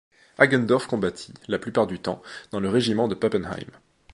Hagendorf combattit, la plupart du temps, dans le régiment de Pappenheim.